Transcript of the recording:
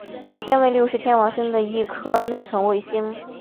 天卫六是天王星的一颗内层卫星。